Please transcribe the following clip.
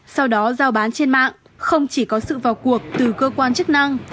sau đó giao bán trên mạng không chỉ có sự vào cuộc từ cơ quan chức năng